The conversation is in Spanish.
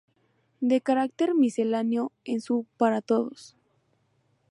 De carácter misceláneo es su "Para todos.